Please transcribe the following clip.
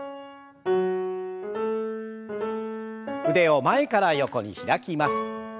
腕を前から横に開きます。